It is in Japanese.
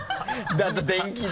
あと電気代。